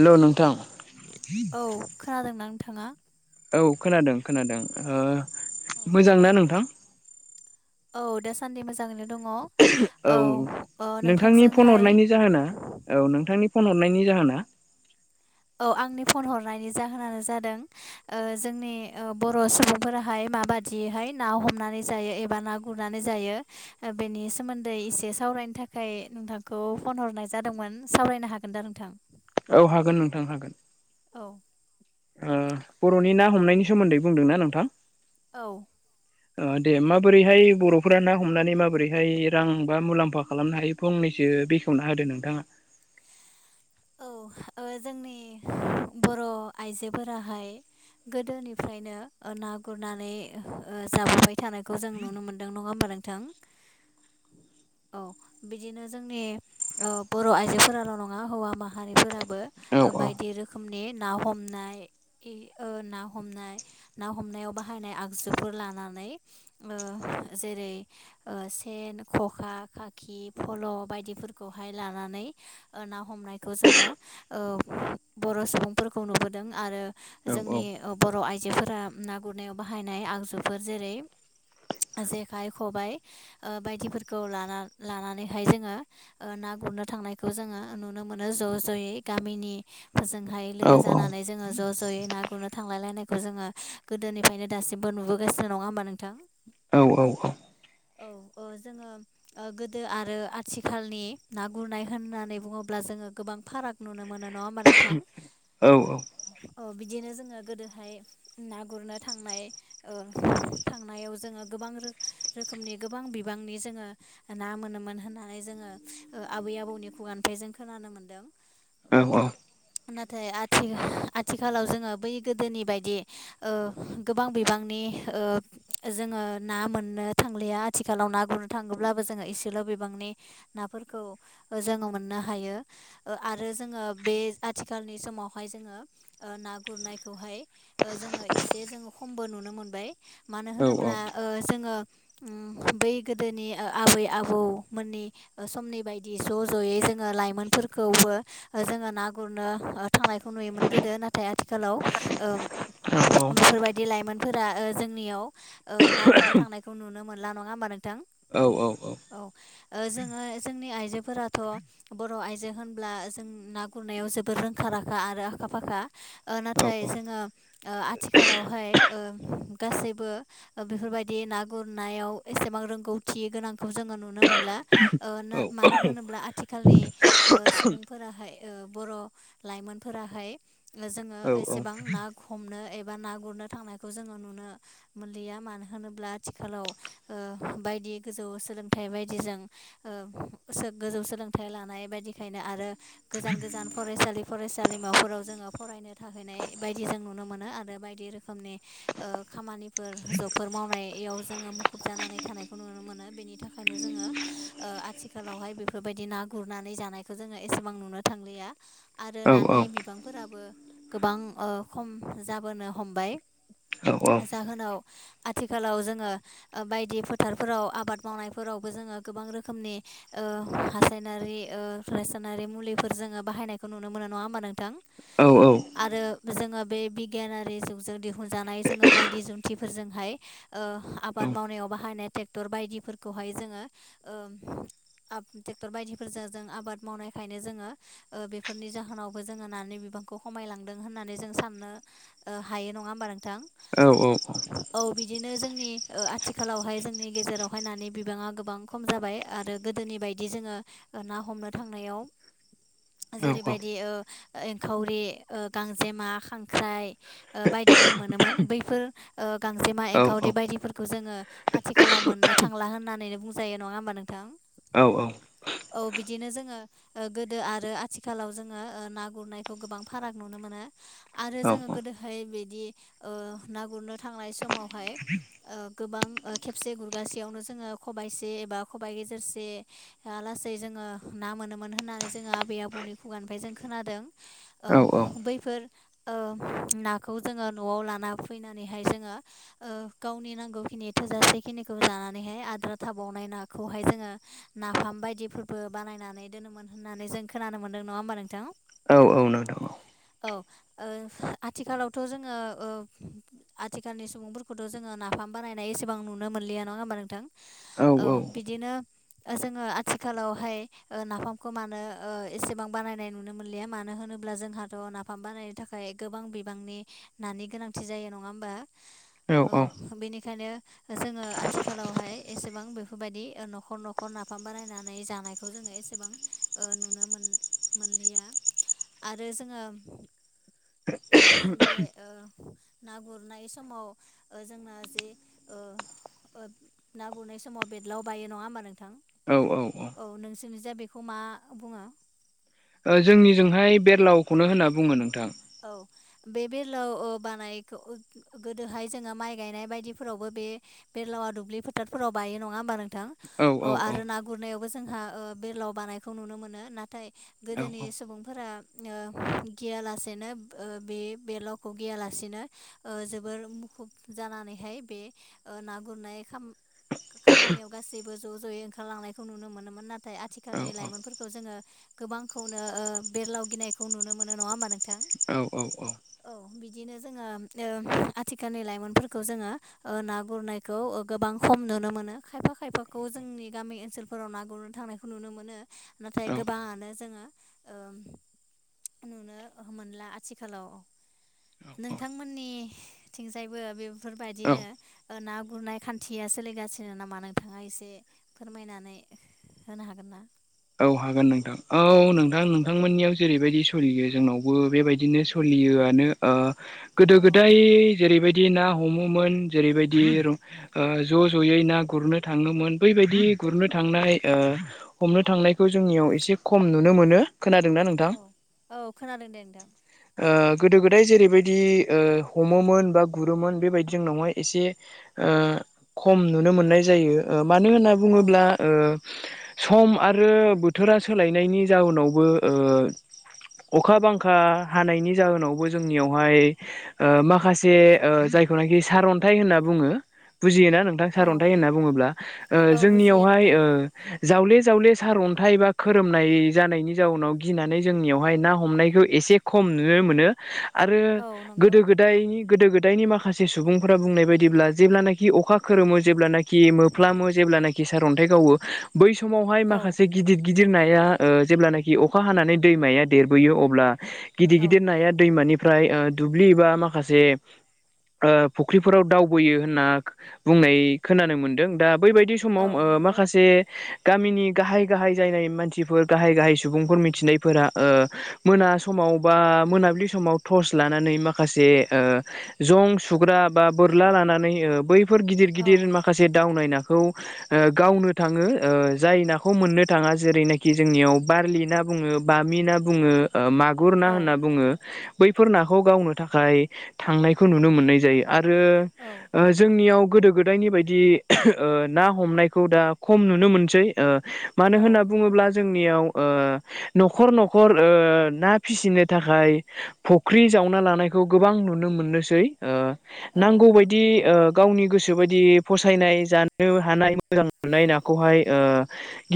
हेल' नोंथां औ खोनादोंना नोंथाङा औ खोनादों खोनादों ओ मोजांना नोंथां औ दा सानदि मोजाङैनो दङ औ औ ओ नोंथांनि फन नोंथांजोंहाय हरनायनि जाहोना औ नोंथांनि फन हरनायनि जाहोना औ आंनि फन हरनायनि जाहोनानो जादों ओ जोंनि ओ बर' सुबुंफोराहाय मा बादियैहाय ना हमनानै जायो एबा ना गुरनानै जायो बेनि सोमोन्दै एसे साव सावरायनो थाखाय नोंथांखौ फन हरनाय जादोंमोन सावरायनो हागोन दा नोंथां औ हागोन नोंथां हागोन औ ओ बर'नि ना हमनायनि सोमोन्दै बुंदोंना नोंथां औ ओ दे माबोरैहाय बर'फोरा ना हमनानै माबोरैहाय रां बा मुलाम्फा खालामनो हायो फंनै सो बेखेवना होदो नोंथाङा औ ओ जोंनि बर' आइजोफोराहाय गोदोनिफ्रायनो ना गुरनानै जाबोबाय थानायखौ जों नुनो मोनदों नङा होमबा नोंथां औ बिदिनो जोंनि बर' आइजोफोराल' नङा हौवा माहारिफोराबो औ औ बायदि रोखोमनि ना हमनाय ना हमनाय ना हमनायाव बाहायनाय आगजुफोर लाना- नै ओ जेरै ओ सेन खखा खाखि फल बायदिफोरखौहाय लानानै ना हमनाय खौ जोङो बर' सुबुंफोरखौ नुबोदों आरो औ जोंनि बर' आइ- जोफोरा ना गुरनायाव बाहायनाय आगजुफोर जेरै जेखाइ खबाय बायदिफोरखौ लाना लानानैहाय जोङो ना गुरनो थांनायखौ जोङो नुनो मोनो ज' ज'यै गामिनि फोरजोंहाय औ लोगो जानानै जोङो ज' ज'यै ना गुरनो थांलायलायनाय बेखौ जोङो गोदोनिफ्रायनो दासिमबो नुबोगासिनो नङा होमबा नोंथां औ औ औ औ औ जोङो गोदो आरो आथिखालनि ना गुरनाय होननानै बुङो- ब्ला जोङो गोबां फाराग नुनो मोनो नङा होमा नोंथां औ औ बि दिनो जोङो गोदोहाय ना गुरनो थांनाय थांनायाव जोङो गोबां रो- खोमनि गोबां बिबांनि जोङो ना मोनोमोन होननानै जोङो आबै आबौनि खुगानिफ्राय जों खोनानो मोन्दों औ औ नाथाय आथि आथिखालाव जोङो बै गोदोनि बायदि गोबां बिबांनि ओ जोङो ना मोननो थांलिया आथिखालाव ना गुरनो थाङोब्लाबो जोङो एसेल' बिबां- नि नाफोरखौ जोङो मोननो हायो आरो जोङो बे आथिखालनि समावहाय जोङो ना गुरनायखौहाय जोङो इसे जो खमबो नुनो मोनबाय मानो होनोब्ला जोङो बै गोदोनि आबै आबौमोननि समनि बायदि ज' ज'यै जों ङो लाइमोनफोरखौबो जोङो ना गुरनो थांनायखौ नुयोमोन गोदो नाथाय आथिखालाव ओम बेफोरबायदि लाइमोनफोरा जोंनियाव ना गुरनो थांनायखौ नुनो मोनला नङा होमबा नोंथां औ औ औ औ जोङो जोंनि आइजोफोराथ' बर' आइजो होनब्ला जों ना गुरनायाव जोबोर रोंखा राखा आरो आखा फाखा नाथाय जोङो ओ आथिखालावहाय ओ गसैबो बेफोरबायदि ना गुरना- याव एसेबां रोंगौथि गोनांखौ जोङो नुनो मोनला मानो होनोब्ला आथि- खालनि सुबुंफोराहाय बर' लाइमोनफोराहाय जोङो एसेबां ना हमनो एबा ना गुरनो थांनायखौ जोङो नुनो मोनलिया मानो होनोब्ला आथिखाल आव ओ बायदि गोजौ सोलोंथाइ बायदिजों गोजौ सोलों- थाइ लानाय बायदिखायनो आरो गोजान गोजान फरायसालि फरायसालिमाफोराव जोङो फरायनो थाहैनाय बायदि जों नुनो मोनो आरो बायदि रोखोमनि खामानिफोर जबफोर मावनायाव जों ङो मुखुब जानानै थानायखौ नुनो मोनो बेनि थाखायनो जोङो आथिखालावहाय बेफोरबायदि ना गुरनानै जानायखौ जोङो एसेबां नुनो थांलिया आरो नानि बिबांफोराबो गोबां ओ खम जाबोनो हमबाय औ जाहोनाव आथिखालाव जोङो बायदि फोथारफोराव आबाद मावनायफोरावबो जोङो गोबां रोखनि हासा- र रासायनारि मुलिफोर जोङो बाहायनायखौ नुनो मोनो नङा होनबा नोंथां औ औ आरो जोङो बे बिगियानारि जुगजों दिहुनजानाय जोङो बायदि जुन्थिफोरजोंहाय ओ औ आबाद मावनायाव बाहायनाय टेक्टर बायदिफोरखौहाय जोङो ओ [unintelligible] [inaudible] टर बायदिफोरजों जों आबाद मावनायखायनो जोङो ओ बेफोरनि जाहोनावबो जोङो नानि बिबांखौ खमायलाङो थांदों होननानै जों साननो हायो नङा होमबा नोंथां? औ औ औ बिदिनो जोंनि ओ आथिखालावहाय जोंनि गेजेरावहाय नानि बिबाङा गोबां खम जाबाय। आरो गोदोनि बायदि जोङो ना हमनो थांनायाव जेरैबायदि ओ एंखावरि ओ गांजेमा खांख्राइ बायदि बायदिफोर मोनोमोन बैफोर ओ गांजेमा एंखावरि बायदिफोरखौ जोङो आथिखालाव मोननो थांला। ना होननानैनो बुंजायो नङा होमबा नोंथां? औ औ [inaudible] औ बिदिनो जोङो ओ गोदो आरो आथिखालाव जोङो ओ ना गुरनायखौ गोबां फाराग नुनो मोनो। आरो जोङो गोदोहाय बिदि ओ ना गुरनो थांनाय समावहाय ओ गोबां ओ खेबसे गुरगासेयावनो जोङो खबाइसे एबा खबाइ गेजेरसे हालासै जोङो ना मोनोमोन होननानै जोङो आबै आबौनि खुगानिफ्राय जों खोनादों औ। बैफोर ओ नाखौ जोङो न'आव लाना फैनानैहाय जोङो ओ गावनि नांगौखिनि थोजासेखिनिखौ जानानैहाय आद्रा थाबावनाय नाखौहाय जोङो नाफाम बायदिफोरबो बानायनानै दोनोमोन होननानै जों खोनानो मोनदों नङा होमबा नोंथां? औ नोंथां। [inaudible] औ ओ आथिखालावथ' जोङो ओ आथिखालनि सुबुंफोरखौथ' जोङो ना फाम बानायनाय एसेबां नुनो मोनलिया नङा होमबा नोंथां औ बिदिनो जोङो आथिखालावहाय ओ नाफामखौ मानो ओ एसेबां बानायनाय नुनो मोनलिया मानो होनो अब्ला जोंहाथ' नाफाम बानायनो थाखाय गोबां बिबांनि नानि गोनांथि जायो नङा होमबा? औ बेनिखायनो जोङो आथिखालावहाय एसेबां बेफोरबायदि न'खर न'खर खर नाफाम बानायनानै जानायखौ जोङो एसेबां ओ नुनो मोन मोनलिया। आरो जोङो [inaudible] बे ओ ना गुरनाय समाव जोंना जे ओ ओं ना गुरनाय समाव बेदलाव बायो नङा होमबा नों थां औ नोंसोरनि जा बेखौ मा बुङो? ओ जोंनिजोंहाय बेदलावखौनो होनना बुङो नोंथां। औ बे बेदलाव ओ बानायखौ गोदोहाय जोङो माइ गायनाय बायदिफोरावबो बे बेदलावा दुब्लि फोथारफोराव बायो नङा हबा नोंथां? औ आरो ना गुरनायाव बो जोंहा ओ बेदलाव बांनायखौ नुनो मोनो नाथाय गोदोनि औ सुबुंफोरा ओ गियालासे नो बे बेदलावखौ गियालासेनो जोबोर मुखुब जानानैहाय बे ओ ना गुरनाय खाम खामानियाव गासैबो ज' ज'यै ओंखारलांनायखौ नुनो मोनोमोन नाथाय औ आथिखालनि लाइमोनफोरखौ जोङो गोबांखौनो ओ बेदलाव गिनायखौ नुनो मोनो नङा होमा नों औ औ औ बिदिनो जोङो ओ आथिखालनि लाइमोनफोरखौ जोङो ओ ना गुरनायखौ खौ गोबां खम नुनो मोनो खायफा खायफाखौ जोंनि गामि ओनसोलफोराव ना गुरनो थांनायखौ नुनो मोनो। नाथाय गोबाङानो जोङो ओ नुनो ओह मोनला आथिखालाव। औ नोंथांमोननिथिंजायबो औ औ बेफोरबायाददिनो ना गुरनाय खान्थिया सोलिगासिनो नामा नोंथाङा एसे फोरमायनानै होनो हागोन ना? औ हागोन नोंथां औ नोंथां नोंथांमोननियाव जेरैबायदि सलियो जोंनावबो बेबायदिनो सलियो। योआनो ओ गोदो औ गोदाय जेरैबायदि ना हमोमोन जेरैबायदि ज' ज'यै ना गुरनो थाङोमोन बैबायदि बायायदि गुरनो थांनाय ओ हमनो थांनायखौ जोंनियाव एसे खम नुनो मोनो खोनादोंना नोंथां औ औ खोनादों दे नोंथां ओ गोदो गोदाय जेरैबायदि ओ हमोमोन बा गुरोमोन बेबायदि जोंनावहाय एसे ओ खम नुनो मोननाय जायो ओ मानो होनना औ बुङोब्ला ओ सम आरो बोथोरा सोलायनायनि जाउोनावबो ओ अखा बांखा हानायनि जाहोनावबो जोंनियावहाय ओ माखासे ओ ना सारन्थाइ होनना बुङो बुजियोना नोंथां औ सारअन्थाइ होनना बुङोब्ला ओ औ बुजियो जोंनियावहाय नोंथां ओ जावले जावले सारअन्थाइ बा खोरोमनाय जानायनि जाउनाव गिनानै जोंनियावहाय ना हमनायखौ एसे खम नुयो मोनो आरो औ नंगौ गोदो गोदायनि गोदो दायनि माखासे सुबुंफोरा बुंनाय बायदिब्ला जेब्लानाखि अखा खोरोमो जेब्लानाखि मोफ्लामो जेब्लानाखि सार अन्थाइ गावो बै समावहाय औ माखास गिदिर नाया ओ जेब्लनाखि अखा हानानै दैमाया देरबोयो अब्ला गिदिर औ गिदिर नाया दै मानिफ्राय ओ दुब्लि बा माखासे ओ फुख्रिफोराव दावबोयो होनना बुंनाय खोनानो मोनदों दा बैबायदि समाव ओ औ नंगौ माखासे गामिनि गाहाय गाहाय जायनाय मानसिफोर गाहाय गाहाय सुबुंफोर मिथिनायफोरा ओ मोना समाव बा मोनाबिलि समाव टस लानानै माखासे ओ जं सुग्रा बा बोरला लानानै बैफोर गिदिर गिदिर औ माखासे दावनाय नाखौ ओ गावनो थाङो जाय ना खौ मोननो थाङा जेरैनाखि जोंनियाव बारलि ना बुङो बामि ना बुङो मागुर ना औ होनना बुङो बैफोर नाखौ गावनो थाखाय थांनायखौ नुनो मोननाय जायो आरो औ जोंनियाव गो गोदो गोदायनि बायदि ना हमनायखौ दा खम नुनो मोनसै ओ मानो औ होनना नंगौ बुङोब्ला जोंनियाव ओ न'खर न'खर ओ ना फिसिनो थाखाय फुख्रि जावना लानायखौ गोबां नु नो मोननोसै ओ औ नांगौ बायदि ओ गावनि गोसो बायदि फसायनाय जानो हानाय मोजां मोननाय नाखौहाय ओ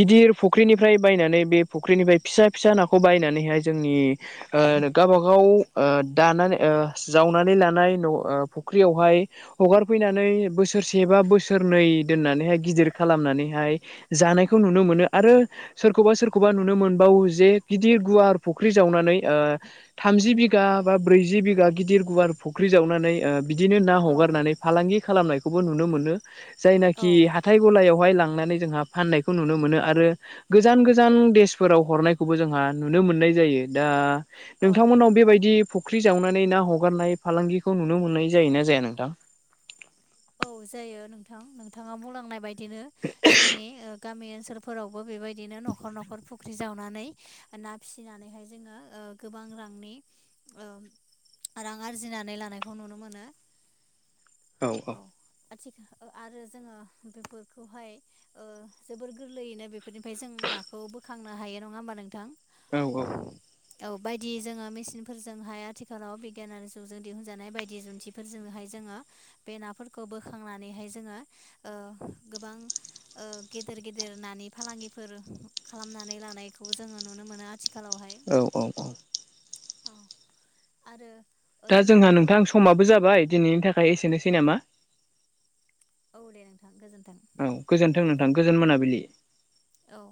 गिदिर फुख्रिनिफ्राय बायनानै बे फुख्रिनिफ्राय फिसा फिसा नाखौ बायनानैहाय जोंनि ओ गावबा गाव ओ दानानै ओ जावनानै लानाय न' फुख्रियावहाय हगारफैनानै बोसोरसे बा बोसोरनै दोननानैहाय गिदिर खालामनानैहाय जानायखौ नुनो मोनो आरो सोरखौबा सोरखौबा नुनो मोनबावो जे गिदिर गुवार फुख्रि जावनानै नै ओ थामजि बिगा बा ब्रैजि बिगा गिदिर गुवार फुख्रि जावनानै बिदिनो ना औ हगारनानै फालांगि खालामनायखौबो नुनो मोनो जायनाखि औ हाथाय गलायाव बहाय लांनानै जोंहा फाननायखौ नुनो मोनो आरो गोजान गोजान देशफोराव हरनायखौबो जोंहा नुनो मोननाय जायो दा औ नोंथांमोननाव बेबायदि फख्रि जावनानै ना हगारनाय फालांगिखौ नुनो मोननाय जायोना जाया नोंथां औ जायो नोंथां नोंथाङा बुंलांनाय बायदिनो जोंनि गामि सोरफोरावबो बेबायदिनो न'खर न'खर फुख्रि जावनानै ना फिसिनानैहाय जोङो गोबां रांनि ओ रां आरजिनानै लानायखौ नुनो मोनो औ औ आथिखाल आरो जोङो बेफोरखौहाय ओ जोबोर गोरलैयैनो बे बेफोरनिफ्राय जों नाखौ बोखांनो हायो नङा होमबा नोंथां औ औ औ बायदि जोङो मेसिनफोरजोंहाय आथिखालाव बिगियानारि जुगजों दिहुनजानाय बायदि जुन्थिफोरजोंहाय जोङो बे नाफोरखौ बोखांनानैहाय जोङो गोबां गेदेर गेदेर नानि फालांगिफोर खालामनानै लानायखौ जोङो नुनो मोनो आथिखा औ औ औ औ आरो दा जोङो जोंहा नोंथां समाबो जाबाय दिनैनि थाखाय एसेनोसै नामा औ दे नोंथां गोजोन औ गोजोन्थों नोंथां गोजोन मोनाबिलि औ